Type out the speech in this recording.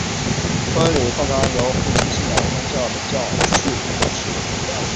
婚礼通常由夫妻信仰的宗教的教士主持。